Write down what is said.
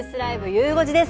ゆう５時です。